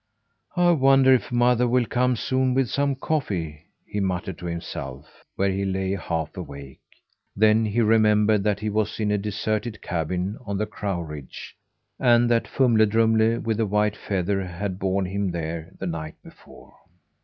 "I wonder if mother will come soon with some coffee," he muttered to himself where he lay half awake. Then he remembered that he was in a deserted cabin on the crow ridge, and that Fumle Drumle with the white feather had borne him there the night before.